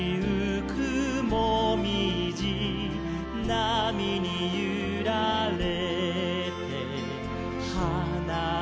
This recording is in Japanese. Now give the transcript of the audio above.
「なみにゆられてはなれてよって」